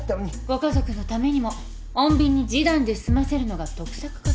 ご家族のためにも穏便に示談で済ませるのが得策かと。